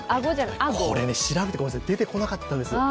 これね、調べても出てこなかったんですよ。